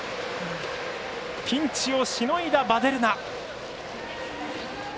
ピンチをしのいだヴァデルナ。